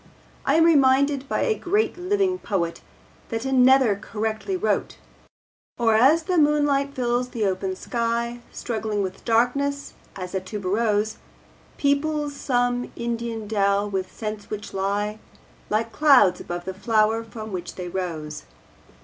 I am reminded by a great living poet that another correctly wrote: Or as the moonlight fills the open sky Struggling with darkness as a tuberose Peoples some Indian dell with scents which lie Like clouds above the flower from which they rose.